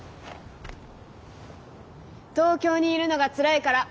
東京にいるのがつらいから。